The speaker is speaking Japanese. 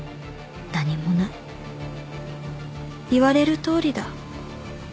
何もない」「言われるとおりだ」